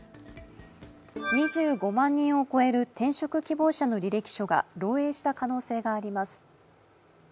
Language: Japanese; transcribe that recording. ２５万人を超える転職希望者の履歴が漏えいした可能性があります。